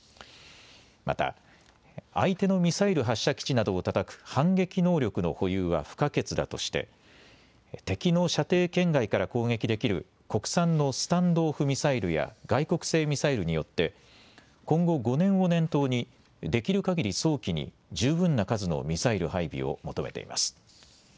また、相手のミサイル発射基地などをたたく反撃能力の保有は不可欠だとして敵の射程圏外から攻撃できる国産のスタンド・オフ・ミサイルや外国製ミサイルによって今後５年を念頭にできるかぎり早期に十分な数のミサイル配備を求めています。